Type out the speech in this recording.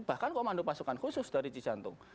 bahkan komando pasukan khusus dari cicantum